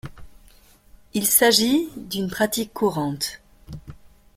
Il s'agit d'une pratique courante.